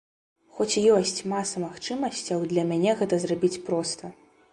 Хоць ёсць маса магчымасцяў і для мяне гэта зрабіць проста.